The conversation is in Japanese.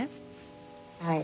はい。